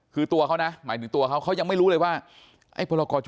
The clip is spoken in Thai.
คือตัวเขานะหมายถึงตัวเขาเขายังไม่รู้เลยว่า